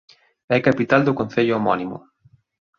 É capital do concello homónimo.